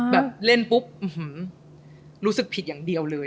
แบบเล่นปุ๊บรู้สึกผิดอย่างเดียวเลย